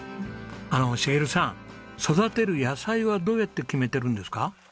あの茂さん育てる野菜はどうやって決めてるんですか？